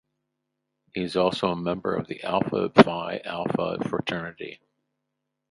He is also a member of Alpha Phi Alpha fraternity.